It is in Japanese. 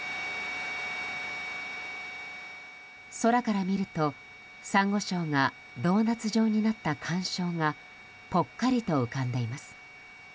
空から見るとサンゴ礁がドーナツ状になった環礁がぽっかりと浮かんでいます。